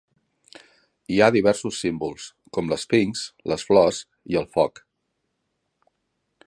Hi ha diversos símbols, com l"esfinx, les flors i el foc.